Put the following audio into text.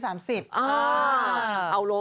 บอสแอนด์อายุ๓๐